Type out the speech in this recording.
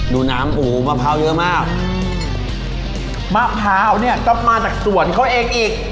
ดูน้ำอู๋มะพร้าวเยอะมากมะพร้าวเนี่ยก็มาจากสวนเขาเองอีก